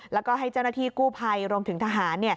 แล้วก็ให้เจ้าหน้าที่กู้ภัยรวมถึงทหาร